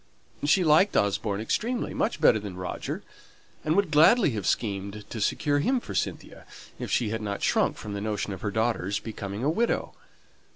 She liked Osborne extremely, much better than Roger; and would gladly have schemed to secure him for Cynthia, if she had not shrunk from the notion of her daughter's becoming a widow.